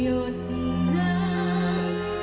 หยุดน้ำ